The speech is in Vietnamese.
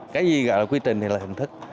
cái gì gọi là quy trình thì là hình thức